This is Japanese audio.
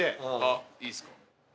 あっいいですか？